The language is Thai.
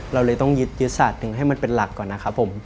เราเลยต้องยึดยุทธศาสตร์หนึ่งให้มันเป็นหลักก่อนนะครับผม